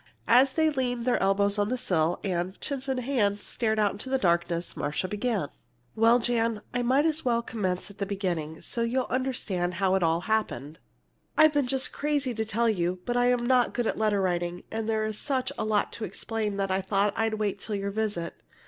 As they leaned their elbows on the sill and, chins in hand, stared out into the darkness, Marcia began: "Well, Jan, I might as well commence at the beginning, so you'll understand how it all happened. I've been just crazy to tell you, but I'm not good at letter writing, and there's such a lot to explain that I thought I'd wait till your visit.